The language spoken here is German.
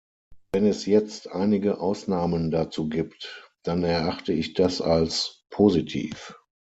Wenn es jetzt einige Ausnahmen dazu gibt, dann erachte ich das als positiv.